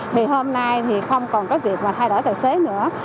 thì hôm nay thì không còn có việc mà thay đổi tài xế nữa